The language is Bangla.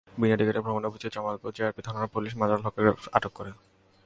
বিনা টিকিটে ভ্রমণের অভিযোগে জামালপুর জিআরপি থানার পুলিশ মাজহারুল হককে আটক করে।